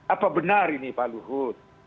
apa benar ini pak luhut